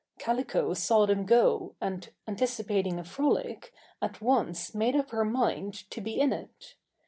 Calico saw them go and, anticipating a frolic, at once made up her mind to be in it.